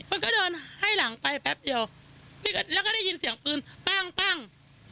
มันก็เดินให้หลังไปแป๊บเดียวแล้วก็ได้ยินเสียงปืนปั้งปั้ง